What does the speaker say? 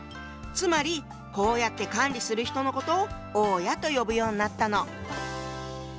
つまりこうやって管理する人のことを「大家」と呼ぶようになったの。